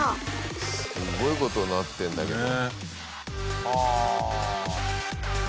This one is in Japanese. すごい事になってるんだけど。